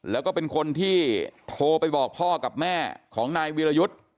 แล้วก็เป็นคนที่โทรไปบอกพ่อกับแม่ของนายวีรยุทธ์